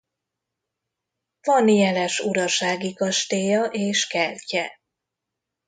Van jeles urasági kastélya és kertje.